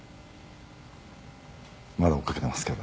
「まだ追いかけていますけど」